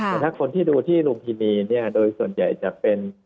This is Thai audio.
แต่ถ้าคนที่ดูที่ลุมพินีเนี่ยโดยส่วนใหญ่จะเป็น